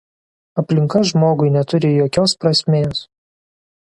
Aplinka žmogui neturi jokios prasmės.